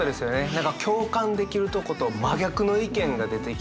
何か共感できるとこと真逆の意見が出てきたりとか。